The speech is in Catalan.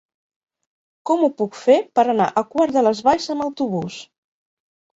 Com ho puc fer per anar a Quart de les Valls amb autobús?